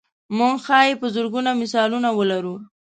موږ ښایي په زرګونو مثالونه ولرو.